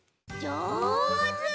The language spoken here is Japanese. じょうず。